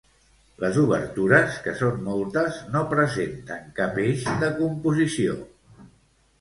Les obertures, que són moltes, no presenten cap eix de composició.